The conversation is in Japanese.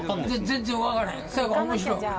全然わからへん。